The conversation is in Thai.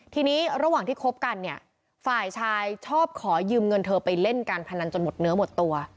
ทีนี้ระหว่างที่คบกันเนี่ยฝ่ายชายชอบขอยืมเงินเธอไปเล่นการพนันจนหมดเนื้อหมดตัว